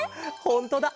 ほんとだ。